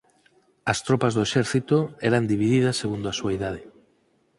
As tropas do exército eran divididas segundo a súa idade.